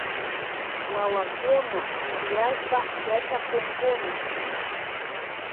Wawakuna pukllashpa yachakunkuna.